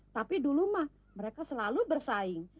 tapi dulu mah mereka selalu bersaing